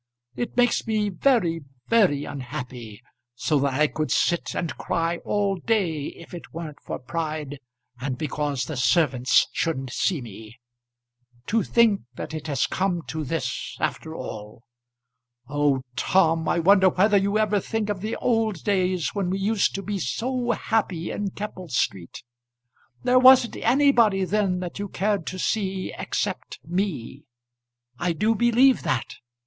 It makes me very very unhappy, so that I could sit and cry all day if it weren't for pride and because the servants shouldn't see me. To think that it has come to this after all! Oh, Tom, I wonder whether you ever think of the old days when we used to be so happy in Keppel Street! There wasn't anybody then that you cared to see, except me; I do believe that.